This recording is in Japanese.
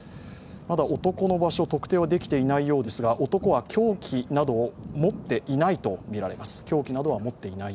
まだ男の場所、特定はできていないようですが、男は凶器などを持っていないとみられます。